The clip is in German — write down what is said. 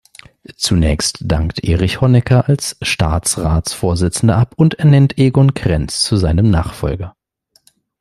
Zunächst dankt Erich Honecker als Staatsratsvorsitzender ab und ernennt Egon Krenz zu seinem Nachfolger.